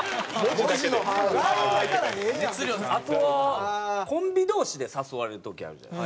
あとはコンビ同士で誘われる時あるじゃないですか。